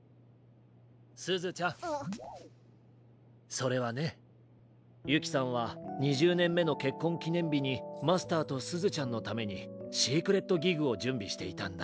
それはねゆきさんは２０ねんめのけっこんきねんびにマスターとすずちゃんのためにシークレットギグをじゅんびしていたんだ。